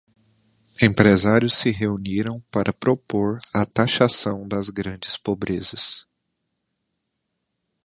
Empresários se reuniram para propor a taxação das grandes pobrezas